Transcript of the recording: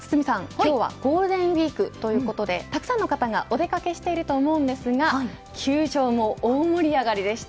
今日はゴールデンウイークということでたくさんの方がお出掛けしていると思うんですが球場も大盛り上がりでした。